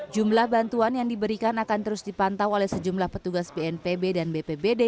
jumlah bantuan yang diberikan akan terus dipantau oleh sejumlah petugas bnpb dan bpbd